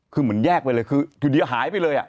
คือเหมือนแยกไปเลยคืออยู่ดีหายไปเลย